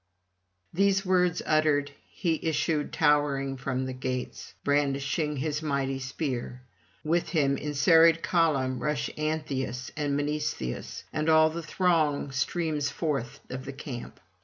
These words uttered, he issued towering from the gates, brandishing his mighty spear: with him in serried column rush Antheus and Mnestheus, and all the throng streams forth of the camp.